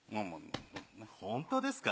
ホントですか？